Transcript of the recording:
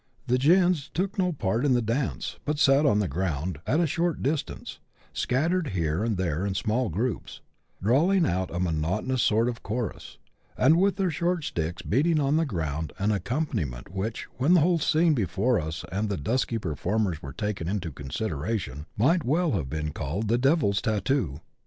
The " gins " took no part in the dance, but sat on the ground at a short distance, scattered here and there in small groups, drawling out a monotonous sort of chorus, and with their short sticks beating on the ground an accompaniment which, when the whole scene before us and the dusky performers were taken into consideration, might well have been called the devil's tattoo.